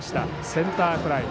センターフライ。